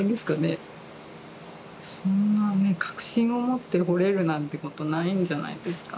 そんなね確信をもって彫れるなんてことないんじゃないんですか。